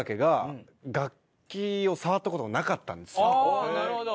ああなるほど。